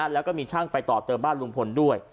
แล้วก็มีช่างไปต่อเติมบ้านลุงพลด้วย